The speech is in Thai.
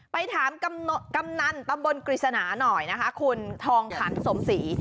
ไปถามกำนันตำบลกฤษณาหน่อยนะคะคุณทองขันสมศรี